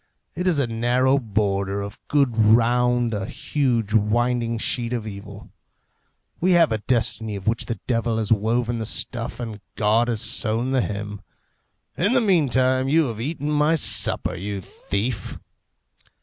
It is a narrow border of good round a huge winding sheet of evil. We have a destiny of which the devil has woven the stuff and God has sewn the hem. In the meantime, you have eaten my supper, you thief!"